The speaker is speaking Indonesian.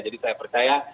jadi saya percaya